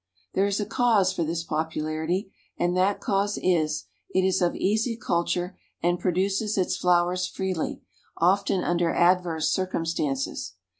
There is a cause for this popularity, and that cause is, it is of easy culture and produces its flowers freely, often under adverse circumstances.